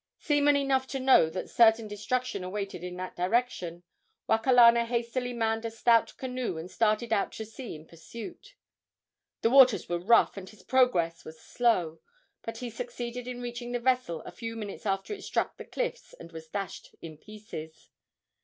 Seaman enough to know that certain destruction awaited it in that direction, Wakalana hastily manned a stout canoe and started out to sea in pursuit. The waters were rough and his progress was slow, but he succeeded in reaching the vessel a few minutes after it struck the cliffs and was dashed in pieces.